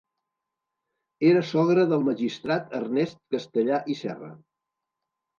Era sogre del magistrat Ernest Castellar i Serra.